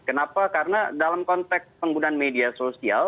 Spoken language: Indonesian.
kenapa karena dalam konteks penggunaan media sosial